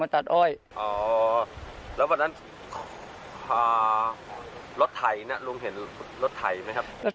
ไม่รู้ใช่ไหมครับ